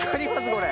これ。